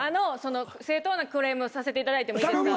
正当なクレームさせていただいてもいいですか？